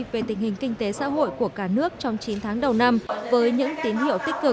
về tình hình kinh tế xã hội của cả nước trong chín tháng đầu năm với những tín hiệu tích cực